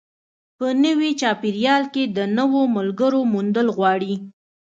په نوي چاپېریال کې د نویو ملګرو موندل غواړي.